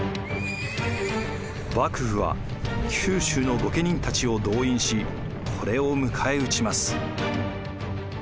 幕府は九州の御家人たちを動員しこれを迎え撃ちます。